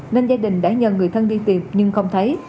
nên gia đình đã nhờ người thân đi tìm nhưng không thấy